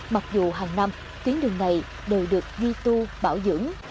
mặc dù hàng năm tuyến đường này đều được duy tu bảo dưỡng